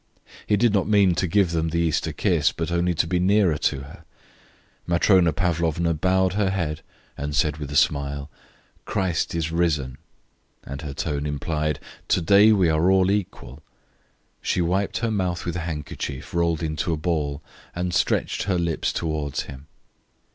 He did not mean to give them the Easter kiss, but only to be nearer to her. Matrona Pavlovna bowed her head, and said with a smile, "Christ is risen!" and her tone implied, "To day we are all equal." She wiped her mouth with her handkerchief rolled into a ball and stretched her lips towards him.